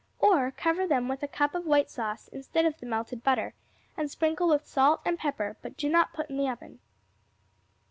Or, cover them with a cup of white sauce instead of the melted butter, and sprinkle with salt and pepper, but do not put in the oven.